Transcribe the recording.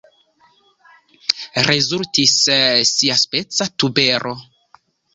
Rezultis siaspeca tubero.